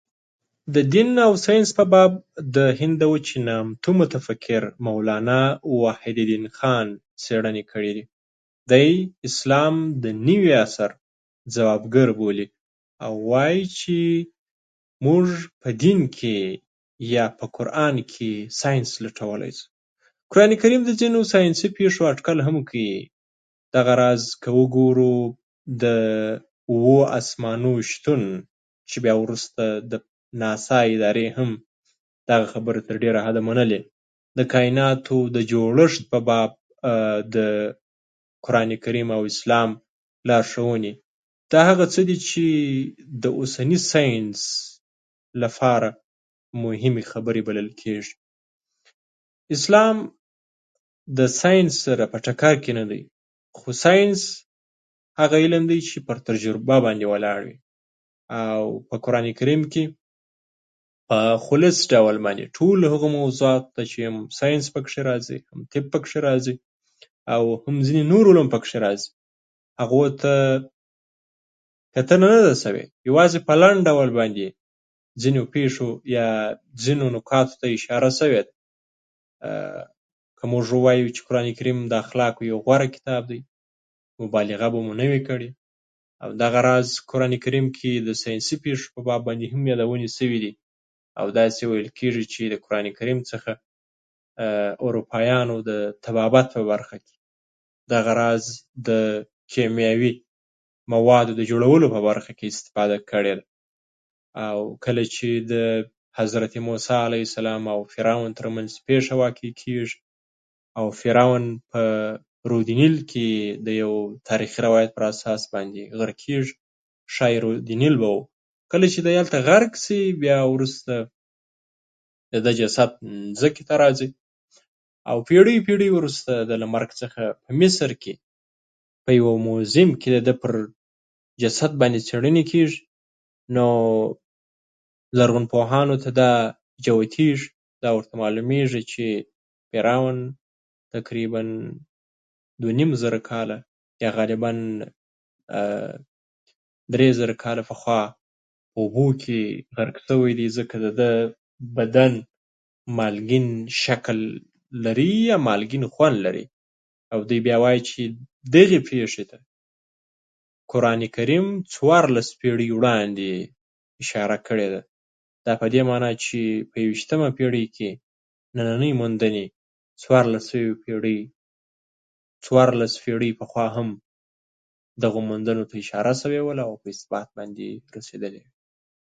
د دین او ساینس په باب د هند د وچې نامتو مفکر، مولانا وحیدالدین خان، څيړنې کړي دي. دی اسلام د نوي عصر ځوابګر بولي، او وايي چې موژ په دین کې، یا په قران کې، ساینس لټولای سو. قران کریم د ځينو ساینسي پېشو اټکل هم کيي. دغه راز که وګورو، د اوو اسمانو ویشتون، چې بیا وروسته د ناسا ادارې هم دغه خبره تر ډېره حده منلې، د کایناتو د جوړشت په باب د قران کریم او اسلام لارشوونې، دا هغه څه دي چې د اوسني ساینس له لپاره موهيمې خبرې بلل کېژي. اسلام د ساینس دسره په ټکر کې نه دی، خو ساینس هغه علم دی چې په تجربه باندې ولاړ وي. او په قران کریم کې په خلص ډول ټول هغه موضوعاتو ته، چې ساینس پکې راځي، طب پکې راځي، او هم ځینې نور علوم پکې راځي، هغو ته کتنه نه ده سوې؛ یوازې په لنډ ډول باندې ځينو پيشو یا ځينو نقاطو ته اشاره شوې ده. که موژ ووايو چې قران کریم د اخلاقو يو غوره کتاب دی، مبالغه به مو نه وي کړی. همدغه راز قران کریم کې د ساینسي پیشو په باب باندې هم يادونې سوي دي، او داسې ویل کېژي چې د قران کريم څخه اروپا یانو د طبابت په برخه کې، دغه راز د کيمياوي موادو د جوړولو په برخه کې، استفاده کړې ده. او کله چې د حضرت موسی علیه سلام او فرعون تر منځ پیشه واقع کېژي، او فرعون په رود نیل کې غرق کې، د یو تاريخي روایت پر اساس باندې غرق کېژي. شاید رود نیل به و، کله چې دی الته غرق سي، ورسته د ده جسد ځمکې ته راځي، او پيړۍ پيړۍ وروسته د له مرګ څخه په مصر کې په یوه موزیم کې د ده جسد باندې څيړنې کېږي. نو لرغونپوهانو ته دا جوتېژي، دا ورته معلومېژي چې فرعون تقریبا دوه نیم زره کاله، یا غالبا درې زره کاله پخوا په اوبو کې غرق سوی دی، ځکه د ده بدن مالګین شکل لري، ام مالګین خوند لري. او دی بیا وايي چې دغې پیشې ته قران کریم څوارلس پیړۍ وړاندې اشاره کړې ده. دا په دې مانا چې يوویشتمه پيړۍ کې نننۍ موندنې، څوارلس سوه، څوارلس پيړۍ پخوا هم دغو موندنو ته اشاره سوې وه، او په اثبات رسیدلې وه.